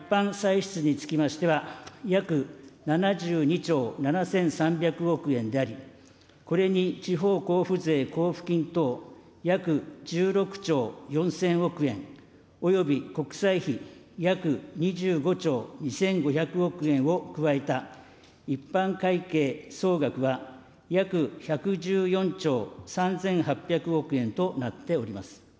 一般歳出につきましては、約７２兆７３００億円であり、これに地方交付税交付金等、約１６兆４０００億円および国債費約２５兆２５００億円を加えた一般会計総額は、約１１４兆３８００億円となっております。